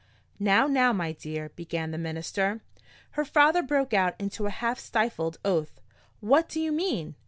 "Now, now, my dear!" began the minister. Her father broke out into a half stifled oath. "What do you mean?"